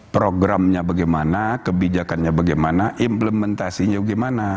programnya bagaimana kebijakannya bagaimana implementasinya bagaimana